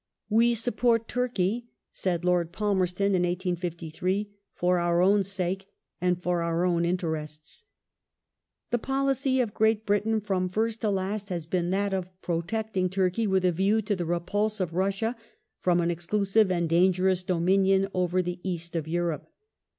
" We support Turkey," said Lord Palmerston in 1853, " for our own sake and for our own interests ". The policy of Great Britain from first to last has been that " of protecting Turkey with a view to the repulse of Russia from an exclusive and dangerous domination over the East of Europe".